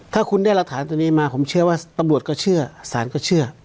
ถ้าคุณได้หลักฐานตัวนี้มาผมเชื่อว่าตำรวจก็เชื่อสารก็เชื่อ